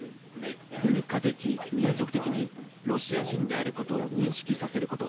文化的、民族的にロシア人であることを認識させること。